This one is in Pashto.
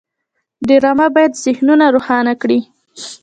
ډرامه باید ذهنونه روښانه کړي